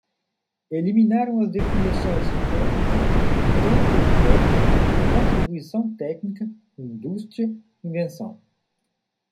Eliminaram as definições de "técnica", "campo de técnica", "contribuição técnica", "indústria", "invenção".